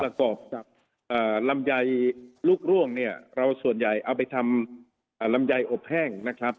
ประกอบกับลำไยลูกร่วงเนี่ยเราส่วนใหญ่เอาไปทำลำไยอบแห้งนะครับ